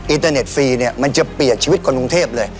อินเตอร์เน็ตฟรีเนี่ยมันจะเปลี่ยนชีวิตคนกรุงเทพเลย